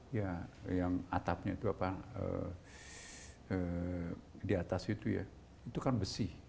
ya yang atapnya itu apa di atas itu ya itu kan besi